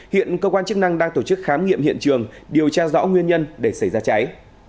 hiện cơ quan chức năng đang tổ chức khám nghiệm hiện trường điều tra rõ nguyên nhân để xảy ra cháy